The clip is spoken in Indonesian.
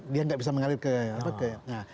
dia nggak bisa mengalir ke apa ke